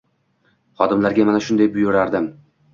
Xodimlarimga mana shunday buyurardim